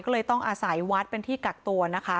ก็เลยต้องอาศัยวัดเป็นที่กักตัวนะคะ